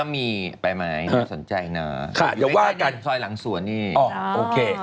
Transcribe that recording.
ก็มีไปไหมสนใจนะไม่ได้หนึ่งซอยหลังส่วนนี่โอเค